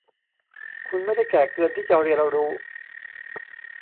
คุณไม่ได้แก่เกินที่จะเรียนรู้